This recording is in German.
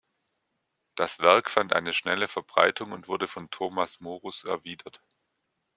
Das Werk fand eine schnelle Verbreitung und wurde von Thomas Morus erwidert.